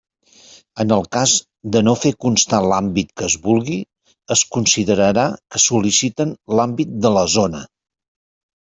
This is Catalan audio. En el cas de no fer constar l'àmbit que es vulgui, es considerarà que sol·liciten l'àmbit de la zona.